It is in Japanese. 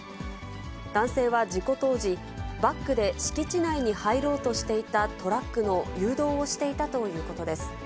男性は事故当時、バックで敷地内に入ろうとしていたトラックの誘導をしていたということです。